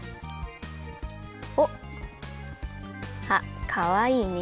おっ！あっかわいいね。